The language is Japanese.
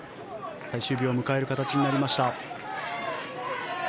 最終日を迎える形になりました。